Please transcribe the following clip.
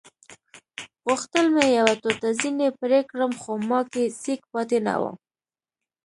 غوښتل مې یوه ټوټه ځینې پرې کړم خو ما کې سېک پاتې نه وو.